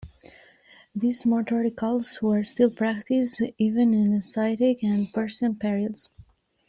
These mortuary cults were still practiced even in Saitic and Persian periods.